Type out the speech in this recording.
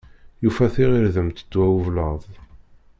Yufa tiɣirdemt ddaw ublaḍ.